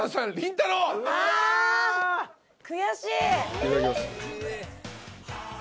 いただきます。